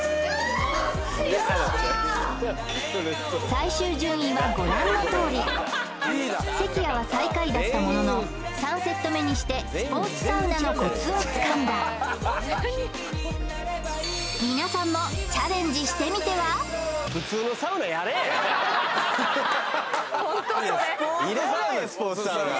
最終順位はご覧のとおり関谷は最下位だったものの３セット目にしてスポーツサウナのコツをつかんだ皆さんもホントそれスポーツサウナです